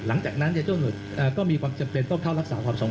หลังจากนั้นเจ้าหน่วยก็มีความจำเป็นต้องเข้ารักษาความสงค